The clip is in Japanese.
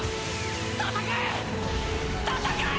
戦え、戦え！